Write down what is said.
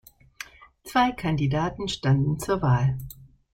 Zwei Kandidaten standen zur Wahl.